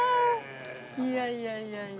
いやいやいやいや。